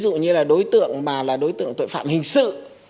ví dụ như là đối tượng mà là đối tượng tội phạm hình sự